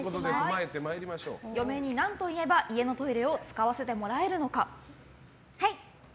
嫁に何ていえば家のトイレを使わせてもらえるのか？